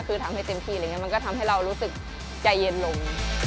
คือทำให้เต็มที่อะไรอย่างนี้มันก็ทำให้เรารู้สึกใจเย็นลง